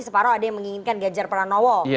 separuh ada yang menginginkan ganjar pranowo